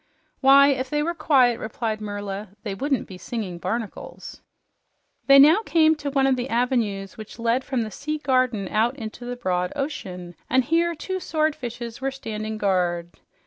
"Why, if they were quiet," replied Merla, "they wouldn't be singing barnacles." They now came to one of the avenues which led from the sea garden out into the broad ocean, and here two swordfishes were standing guard.